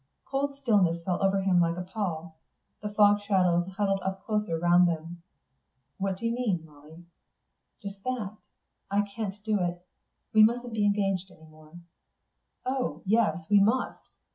Cold stillness fell over him like a pall. The fog shadows huddled up closer round them. "What do you mean, Molly?" "Just that. I can't do it.... We mustn't be engaged any more." "Oh, yes, we must.